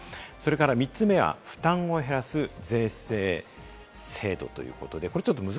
３つ目は負担を減らす税制制度ということです。